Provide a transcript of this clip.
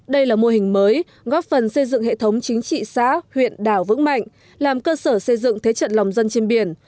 đây là mô hình mới góp phần xây dựng hệ thống chính trị xã huyện đảo vững mạnh làm cơ sở xây dựng thế trận lòng dân trên biển